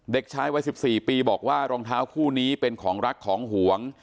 เด็กชายวัย๑๔ปีบอกว่ารองเท้าคู่นี้เป็นของรักของหวง